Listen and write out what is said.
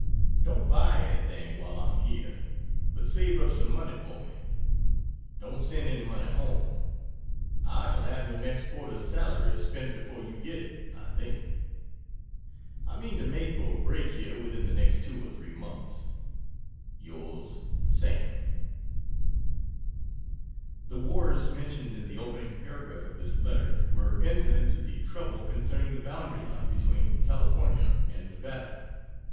Don't buy anything while I am here but save up some money for me. Don't send any money home. I shall have your next quarter's salary spent before you get it, I think. I mean to make or break here within the next two or three months. Yrs. SAM The "wars" mentioned in the opening paragraph of this letter were incident to the trouble concerning the boundary line between California and Nevada.